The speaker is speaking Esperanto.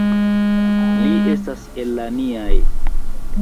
Li estas el la niaj.